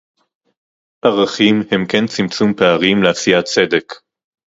ערכים הם כן צמצום פערים לעשיית צדק